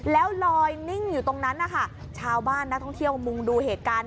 แล้วลอยนิ่งอยู่ตรงนั้นนะคะชาวบ้านนักท่องเที่ยวมุงดูเหตุการณ์